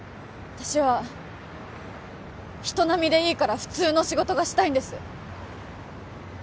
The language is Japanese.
私は人並みでいいから普通の仕事がしたいんです